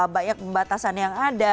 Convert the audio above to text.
banyak pembatasan yang ada